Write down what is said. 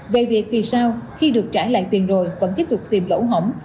về việc vì sao khi được trả lại tiền rồi vẫn tiếp tục tìm lỗ hỏng